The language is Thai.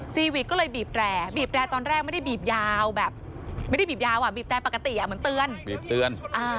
ซีวิกก็เลยบีบแร่บีบแร่ตอนแรกไม่ได้บีบยาวแบบไม่ได้บีบยาวบีบแต่ปกติเหมือนเตือนบีบเตือน